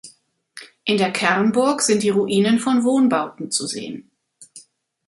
In der Kernburg sind die Ruinen von Wohnbauten zu sehen.